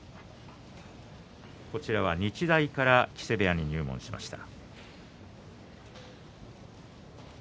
こちらは日大から木瀬部屋に入門しました。